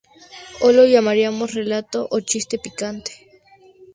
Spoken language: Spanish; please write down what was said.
Hoy lo llamaríamos relato o chiste picante.